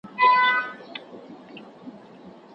خو کُنت پر منظمې څېړنې ټينګار کاوه.